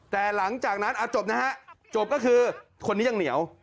แต่หลังจากนั้นจบนะฮะจบก็คือคนนี้ยังเหนียว